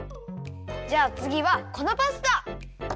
じゃあつぎはこのパスタ！